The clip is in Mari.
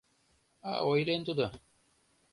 А ойлен тудо...